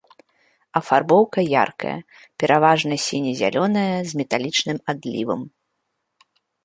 Афарбоўка яркая, пераважна сіне-зялёная, з металічным адлівам.